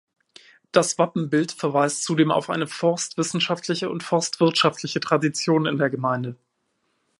Das Wappenbild verweist zudem auf eine forstwissenschaftliche und forstwirtschaftliche Tradition in der Gemeinde.